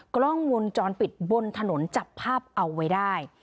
กล้องวงจรปิดบนถนนจับภาพเอาไว้ได้